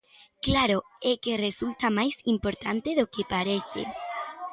Claro, é que resulta máis importante do que parece.